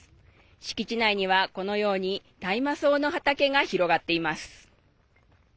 敷地内には、このように大麻草の畑が広がっています。